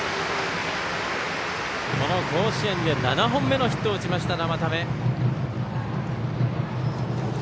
この甲子園で７本目のヒットを打ちました、生田目。